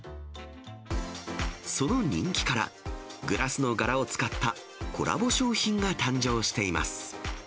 その人気から、グラスの柄を使ったコラボ商品が誕生しています。